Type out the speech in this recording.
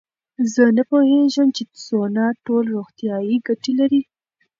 زه نه پوهېږم چې سونا ټول روغتیایي ګټې لري.